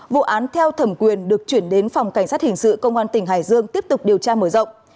vụ án theo thẩm quyền được chuyển đến phòng cảnh sát hình sự công an tỉnh hải dương tiếp tục điều tra mở rộng